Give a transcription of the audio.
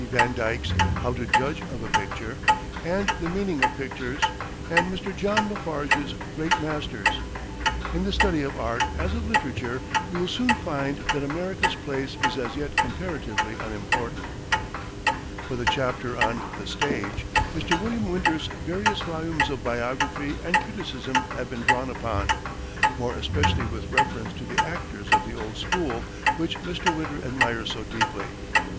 VanDyke's "How to Judge of a Picture," and "The Meaning of Pictures," and Mr. John LaFarge's "Great Masters." In the study of art, as of literature, you will soon find that America's place is as yet comparatively unimportant. For the chapter on "The Stage," Mr. William Winter's various volumes of biography and criticism have been drawn upon, more especially with reference to the actors of the "old school," which Mr. Winter admires so deeply.